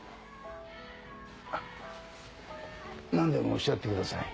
なんでもおっしゃってください。